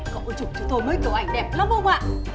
cậu chụp cho tôi mấy kiểu ảnh đẹp lắm không ạ